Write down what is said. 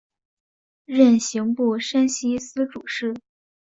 任刑部山西司主事。